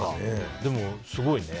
でもすごいね。